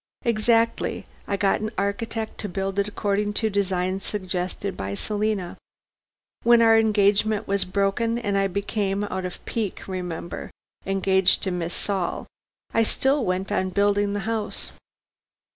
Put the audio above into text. "Exactly. I got an architect to build it according to designs suggested by Selina. When our engagement was broken and I became out of pique, remember engaged to Miss Saul, I still went on building the house.